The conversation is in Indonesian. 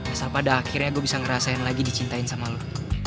asal pada akhirnya gue bisa ngerasain lagi dicintain sama lo